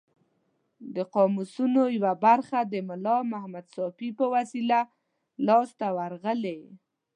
د قاموسونو یوه برخه د ملا محمد ساپي په وسیله لاس ته ورغلې.